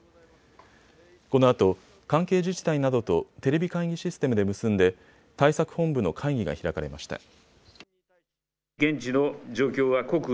このあと関係自治体などとテレビ会議システムで結んで対策本部の会議が開かれました。